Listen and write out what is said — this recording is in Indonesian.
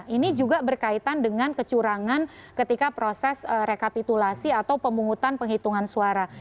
ini juga berkaitan dengan kecurangan ketika proses rekapitulasi atau pemungutan penghitungan suara